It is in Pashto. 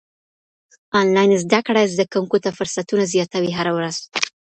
انلاين زده کړه زده کوونکو ته فرصتونه زياتوي هره ورځ.